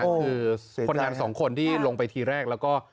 คือคนยาแบบสองคนที่ลงไปที่แรกแล้วก็